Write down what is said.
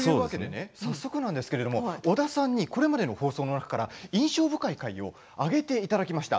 早速ですが織田さんにこれまでの放送の中から印象深い回を挙げていただきました。